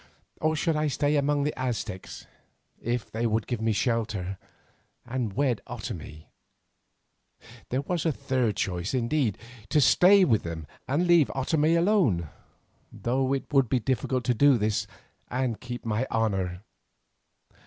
Or should I stay among the Aztecs if they would give me shelter, and wed Otomie? There was a third choice, indeed, to stay with them and leave Otomie alone, though it would be difficult to do this and keep my honour.